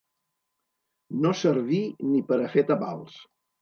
No servir ni per a fer tabals.